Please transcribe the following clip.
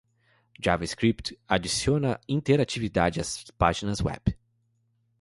JavaScript adiciona interatividade às páginas web.